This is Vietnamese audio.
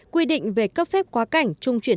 quy định về cấp phép quá cảnh trung chuyển